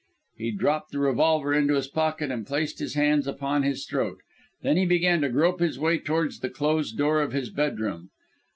He dropped the revolver into his pocket, and placed his hands upon his throat. Then he began to grope his way towards the closed door of his bedroom.